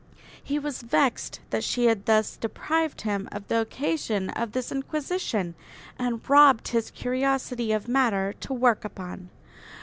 He was vexed that she had thus deprived him of the occasion of this inquisition and robbed his curiosity of matter to work upon.